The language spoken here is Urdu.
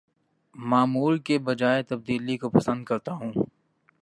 معمول کے بجاے تبدیلی کو پسند کرتا ہوں